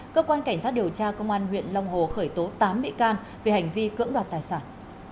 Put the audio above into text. cơ quan cảnh sát điều tra công an huyện long hồ khởi tố tám bị can về hành vi cưỡng đoạt tài sản